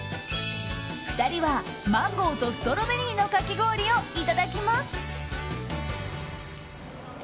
２人はマンゴーとストロベリーのかき氷をいただきます。